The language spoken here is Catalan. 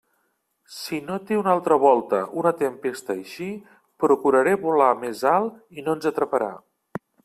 Si note una altra volta una tempesta així, procuraré volar més alt i no ens atraparà.